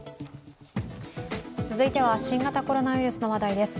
続いては新型コロナウイルスの話題です。